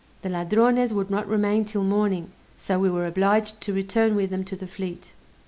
The Ladrones would not remain 'till morning, so we were obliged to return with them to the fleet.